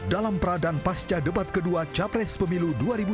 dalam pradan pasca debat kedua capres pemilu dua ribu sembilan belas